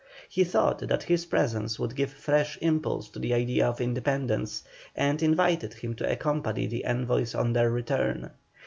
He thought that his presence would give fresh impulse to the idea of independence, and invited him to accompany the envoys on their return.